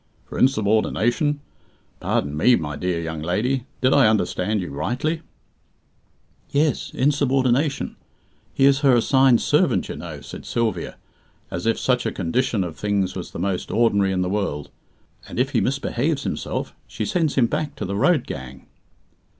"For insubordination! Pardon me, my dear young lady, did I understand you rightly?" "Yes, insubordination. He is her assigned servant, you know," said Sylvia, as if such a condition of things was the most ordinary in the world, "and if he misbehaves himself, she sends him back to the road gang."